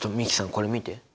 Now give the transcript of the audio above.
これ見て！